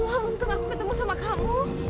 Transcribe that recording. ya allah untung aku ketemu sama kamu